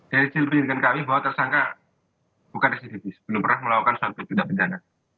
saya silapin dengan kami bahwa tersangka bukan residivis belum pernah melakukan suatu tindakan penjagaan